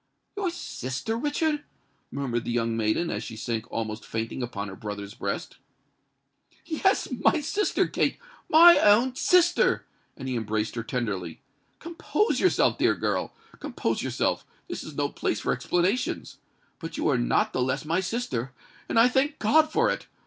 "Your sister, Richard!" murmured the young maiden, as she sank almost fainting upon her brother's breast. "Yes—my sister, Kate—my own sister!"—and he embraced her tenderly. "Compose yourself, dear girl—compose yourself: this is no place for explanations! But you are not the less my sister—and I thank God for it!